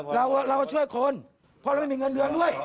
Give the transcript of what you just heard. เพราะแนปหมูไม่มีเงินเดือนด้วย